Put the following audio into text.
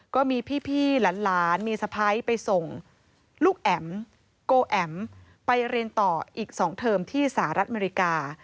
ก็มีพี่หลานมีสะพ้ายไปส่งลูกแอ๋มโกแอ๋มไปเรียนต่ออีก๒เทอมที่สหรัฐอเมริกา